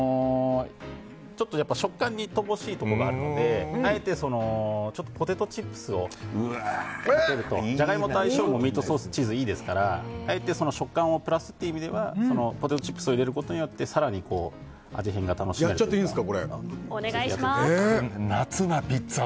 ちょっと食感に乏しいところがあるのであえてポテトチップスをかけるとジャガイモと相性もミートソースとチーズもいいですから食感をプラスという意味でポテトチップスを入れることによって更に味変が楽しめます。